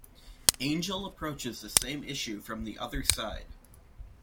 Angel approaches the same issue from the other side.